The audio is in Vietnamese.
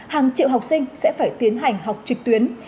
hàng triệu học sinh sẽ phải tiến hành học trực tuyến